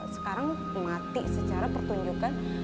sekarang mati secara pertunjukan